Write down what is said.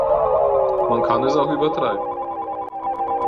Man kann es auch übertreiben.